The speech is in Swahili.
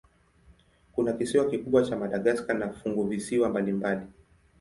Kuna kisiwa kikubwa cha Madagaska na funguvisiwa mbalimbali.